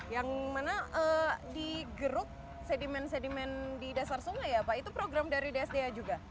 yang mana digeruk sedimen sedimen di dasar sungai ya pak itu program dari dsda juga